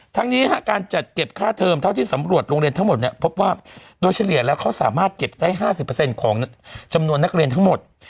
ทั้งนี้การจัดเก็บค่าเทอมเท่าที่สำรวจโรงเรียนทั้งหมดเนี่ยพบว่าโดยเฉลี่ยแล้วเขาสามารถเก็บได้๕๐ของจำนวนนักเรียนทั้งหมด